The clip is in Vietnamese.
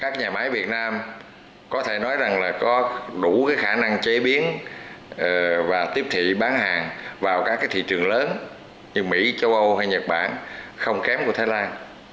các nhà máy việt nam có thể nói rằng là có đủ khả năng chế biến và tiếp thị bán hàng vào các thị trường lớn như mỹ châu âu hay nhật bản không kém của thái lan